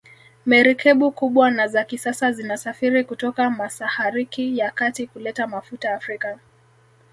Merikebu kubwa na za kisasa zinasafiri kutoka masahariki ya kati kuleta mafuta Afrika